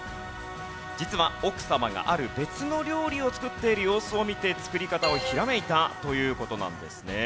実は奥様がある別の料理を作っている様子を見て作り方をひらめいたという事なんですね。